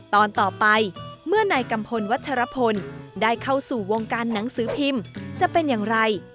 ตอนต่อไปเมื่อนายกัมพลวัชรพลได้เข้าสู่วงการหนังสือพิมพ์จะเป็นอย่างไร